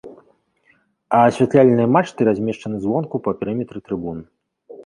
Асвятляльныя мачты размешчаны звонку па перыметры трыбун.